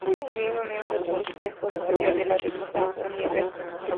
Es asimismo miembro del consejo editorial de la revista "Universe".